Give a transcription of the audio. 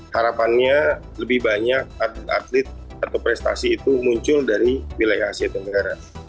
harapannya lebih banyak atlet atlet atau prestasi itu muncul dari wilayah asia tenggara